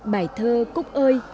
bài thơ cúc ơi